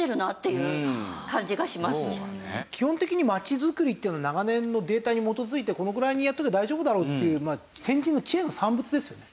基本的に街づくりっていうのは長年のデータに基づいてこのぐらいにやっときゃ大丈夫だろうっていう先人の知恵の産物ですよね。